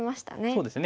そうですね。